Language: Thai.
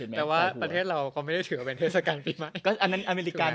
แต่ว่าประเทศเราเขาไม่ได้ถือว่าเป็นเทศขีมราชีพปีใหม่